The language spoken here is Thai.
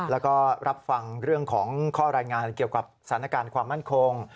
แล้วก็รับฟังเรื่องของข้อรายงานเกี่ยวกับสถานการณ์ความมั่นคง